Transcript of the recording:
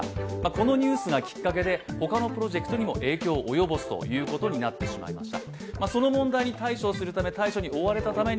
このニュースがきっかけで、他のプロジェクトにも影響を及ぼすということになりました。